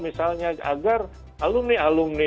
misalnya agar alumni alumni